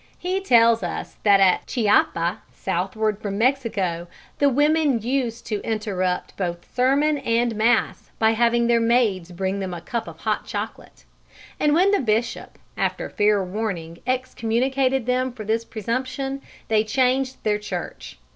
He tells us that at Chiapa, southward from Mexico, the women used to interrupt both sermon and mass by having their maids bring them a cup of hot chocolate; and when the Bishop, after fair warning, excommunicated them for this presumption, they changed their church.